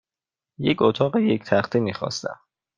یک اتاق یک تخته میخواستم.